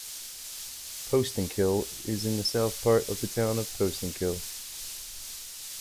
Poestenkill is in the south part of the Town of Poestenkill.